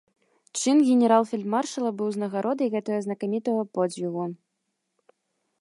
Чын генерал-фельдмаршала быў узнагародай гэтага знакамітага подзвігу.